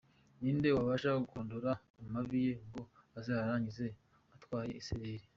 Ninde wabasha kurondora amabi ye ngo azayarangize atarwaye isereri?